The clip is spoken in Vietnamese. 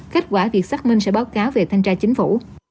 kết quả việc xác minh sẽ báo cáo về thanh tra chính phủ